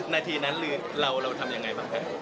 นาทีนั้นเราทำยังไงบ้างครับ